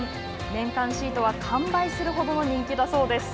年間シートは完売するほどの人気です。